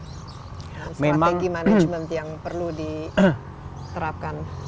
strategi manajemen yang perlu diterapkan